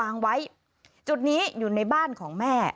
นี่อยู่ในบ้านของแม่